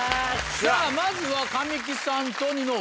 さぁまずは。